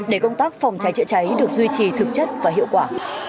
để công tác phòng cháy chữa cháy được duy trì thực chất và hiệu quả